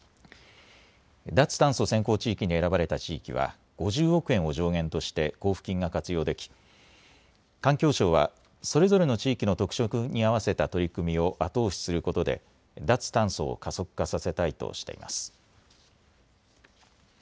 脱炭素先行地域に選ばれた地域は５０億円を上限として交付金が活用でき環境省はそれぞれの地域の特色に合わせた取り組みを後押しすることで脱炭素を加速化させたいとしています。